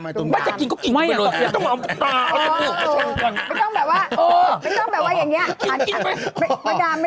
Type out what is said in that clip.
ไม่ต้องแปลว่า